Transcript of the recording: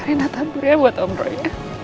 arena tabur ya buat om roy